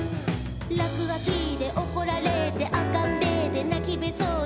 「らくがきでおこられてあっかんべーでなきべそで」